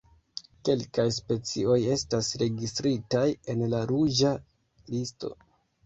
Kelkaj specioj estas registritaj en la Ruĝa listo.